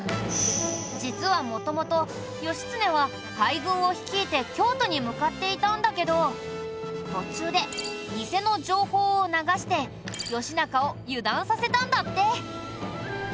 実は元々義経は大軍を率いて京都に向かっていたんだけど途中で偽の情報を流して義仲を油断させたんだって。